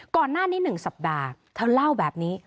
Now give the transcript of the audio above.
ก่อนหน้านี้๑สัปดาห์เธอเล่าแบบนี้